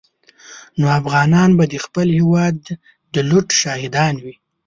نو افغانان به د خپل هېواد د لوټ شاهدان وي.